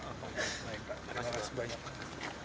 baik pak terima kasih banyak